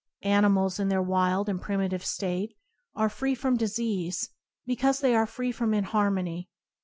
Ani mals in their wild and primitive state are free from disease because they are free from inharmony.